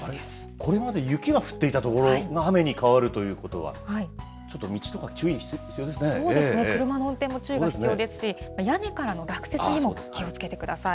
これまで雪が降っていた所が雨に変わるということは、そうですね、車の運転も注意が必要ですし、屋根からの落雪にも気をつけてください。